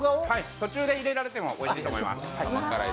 途中で入れられてもおいしいと思います。